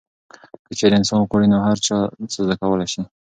که چیرې انسان غواړي نو هر څه زده کولی شي.